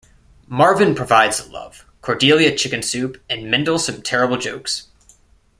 Marvin provides love, Cordelia chicken soup and Mendel some terrible jokes.